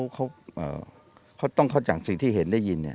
เป็นช่วงครับเขาจะมีเขาต้องเข้าจากสิ่งที่เห็นได้ยิน